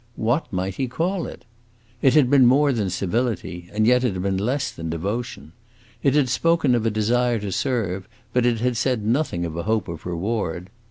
What might he call it? It had been more than civility and yet it had been less than devotion. It had spoken of a desire to serve, but it had said nothing of a hope of reward.